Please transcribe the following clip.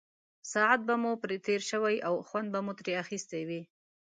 ساعت به مو پرې تېر شوی او خوند به مو ترې اخیستی وي.